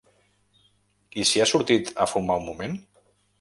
I si ha sortit a fumar un moment?